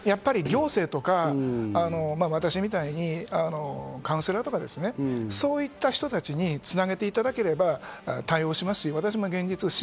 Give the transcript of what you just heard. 行政とか、私みたいにカウンセラーとか、そういった人たちにつなげていただければ対応します。